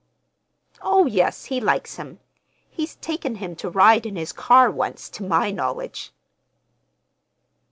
"Oh, yes, he likes him. He's taken him to ride in his car once, to my knowledge."